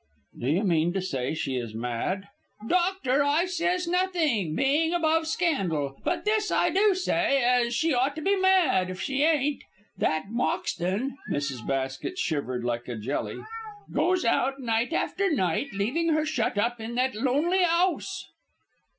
"Do you mean to say she is mad?" "Doctor, I says nothing, being above scandal, But this I do say, as she ought to be mad if she ain't. That Moxton" Mrs. Basket shivered like a jelly "goes out night after night, leaving her shut up in that lonely 'ouse."